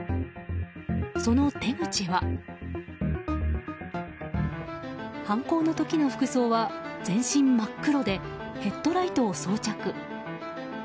その手口は犯行の時の服装は全身真っ黒でヘッドライトを装着。